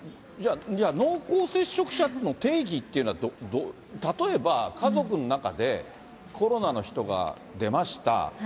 じゃあ、濃厚接触者の定義っていうのは、例えば、家族の中でコロナの人が出ました。